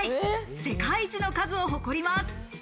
世界一の数を誇ります。